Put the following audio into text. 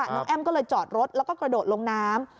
น้องแอ้มก็เลยจอดรถแล้วก็กระโดดลงน้ำ